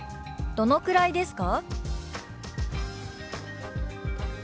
「どのくらいですか？」。